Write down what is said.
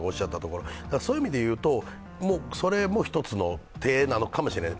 そういう意味で言うと、それも一つの手なのかもしれない。